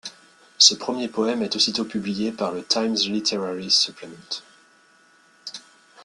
Ce premier poème est aussitôt publié par le Times Literary Supplement.